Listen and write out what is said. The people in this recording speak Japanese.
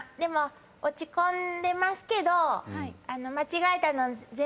落ち込んでますけど。